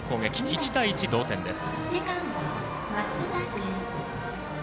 １対１、同点です。